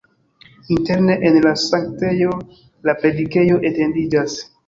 Interne en la sanktejo la predikejo etendiĝas.